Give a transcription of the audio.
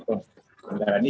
karena negara ini